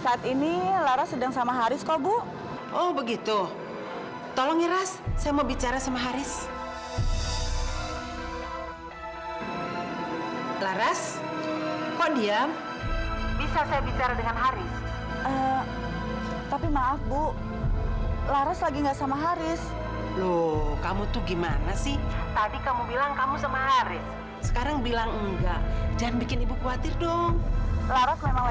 sampai jumpa di video selanjutnya